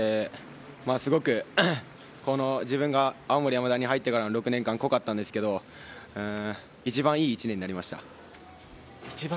すごく自分が青森山田に入ってからの６年間、濃かったんですけど、一番いい１年になりました。